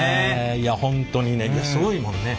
いや本当にねすごいもんね。